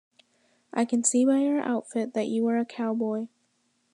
I can see by your outfit that you are a cowboy.